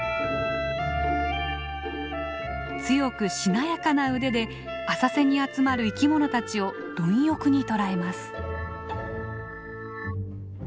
強くしなやかな腕で浅瀬に集まる生きものたちを貪欲に捕らえます。